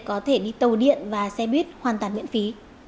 có thể đi tàu điện và xe buýt hoàn toàn miễn phí